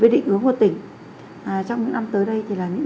với định ứng của tỉnh trong những năm tới đây